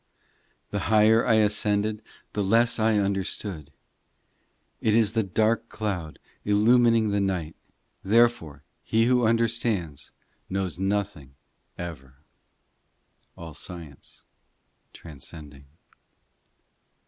IV The higher I ascended The less I understood. It is the dark cloud Illumining the night. 268 POEMS Therefore, he who understands, Knows nothing ever All science transcending.